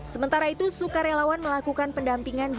sementara itu sukarelawan melakukan pendampingan bagi oda